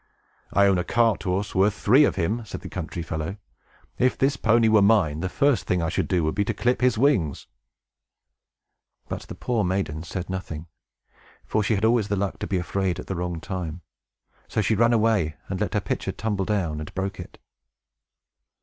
"I own a cart horse, worth three of him!" said the country fellow. "If this pony were mine, the first thing I should do would be to clip his wings!" But the poor maiden said nothing, for she had always the luck to be afraid at the wrong time. So she ran away, and let her pitcher tumble down, and broke it.